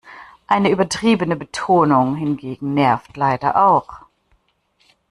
Eine übertriebene Betonung hingegen nervt leider auch.